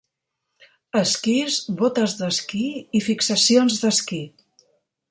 Esquís, botes d'esquí i fixacions d'esquí.